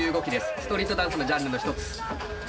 ストリートダンスのジャンルの一つ。